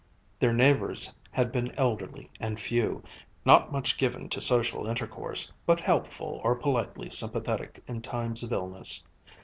Their neighbours had been elderly and few, not much given to social intercourse, but helpful or politely sympathetic in times of illness.